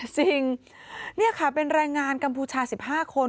จริงเนี่ยค่ะเป็นแรงงานกัมพูชาสิบห้าคน